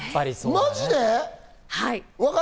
マジで？